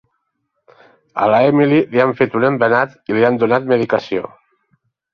A l'Emily li han fet un embenat i li han donat medicació.